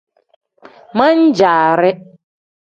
Man-jaari.